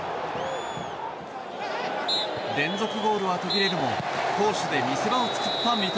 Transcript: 連続ゴールは途切れるも攻守で見せ場を作った三笘。